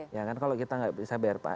ya kan kalau kita gak bisa bayar